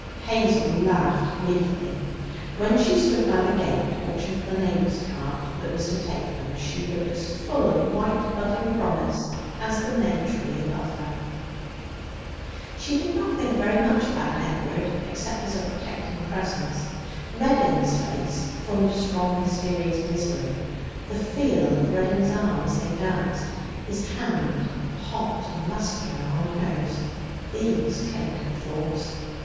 Hazel laughed gleefully. When she stood by the gate watching for the neighbour's cart that was to take them, she looked as full of white budding promise as the may tree above her. She did not think very much about Edward, except as a protecting presence. Reddin's face, full of strong, mysterious misery; the feel of Reddin's arm as they danced; his hand, hot and muscular, on hers these claimed her thoughts.